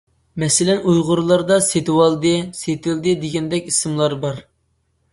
مەسىلەن، ئۇيغۇرلاردا سېتىۋالدى، سېتىلدى دېگەندەك ئىسىملار بار.